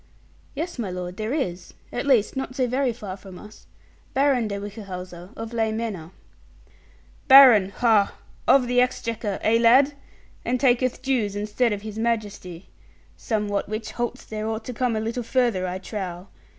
'Yes, my lord, there is. At least, not so very far from us. Baron de Whichehalse, of Ley Manor.' 'Baron, ha! of the Exchequer eh, lad? And taketh dues instead of His Majesty. Somewhat which halts there ought to come a little further, I trow.